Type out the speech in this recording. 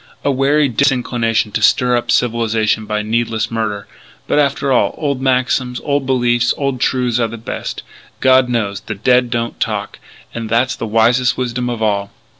A wary disinclination to stir up civilization by needless murder. But after all, old maxims, old beliefs, old truths are the best, God knows. The dead don't talk! And that's the wisest wisdom of all.